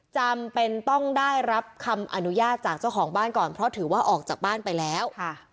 จำเป็นต้องได้รับคำอนุญาตจากเจ้าของบ้านก่อนเพราะถือว่าออกจากบ้านไปแล้วค่ะ